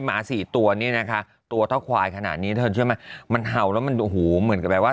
หมาสี่ตัวนี่นะคะตัวเท่าควายขนาดนี้เธอเชื่อไหมมันเห่าแล้วมันโอ้โหเหมือนกับแบบว่า